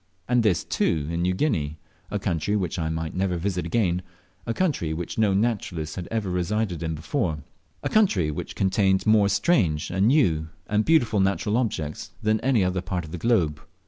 And this, too, in New Guinea a country which I might never visit again, a country which no naturalist had ever resided in before, a country which contained more strange and new and beautiful natural objects than any other part of the globe.